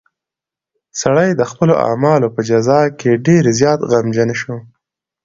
سړی د خپلو اعمالو په جزا کې ډېر زیات غمجن شو.